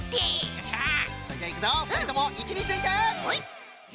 よっしゃそれじゃいくぞふたりともいちについてよい。